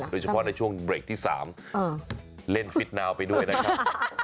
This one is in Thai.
โดยเฉพาะในช่วงเบรกที่๓เล่นฟิตนาวไปด้วยนะครับ